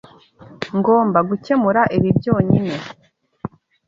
Ngomba gukemura ibi byonyine.